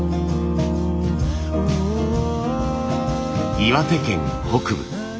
岩手県北部。